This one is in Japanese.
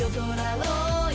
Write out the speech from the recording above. はい？